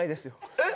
えっ？